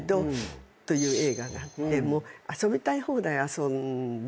という映画があって遊びたい放題遊んで。